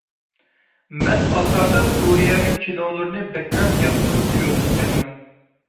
مەن ئاساسەن كورېيەنىڭ كىنولىرىنى بەكرەك ياقتۇرۇپ كۆرىدىكەنمەن.